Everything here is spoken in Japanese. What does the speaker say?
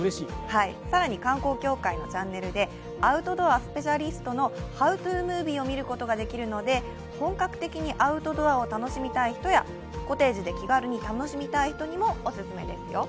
更に観光協会のチャンネルでアウトドアスペシャリストのハウツームービーを見ることができるので本格的にアウトドアを楽しみたい人や、コテージで気軽に楽しみたい人にもおすすめですよ。